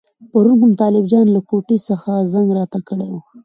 پرون کوم طالب جان له کوټې څخه زنګ راته کړی وو.